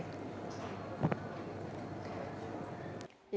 thank you mbak desy